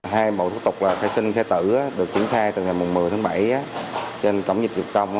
hai bộ thủ tục là khai sinh khai tử được triển khai từ ngày một mươi tháng bảy trên cổng dịch vụ công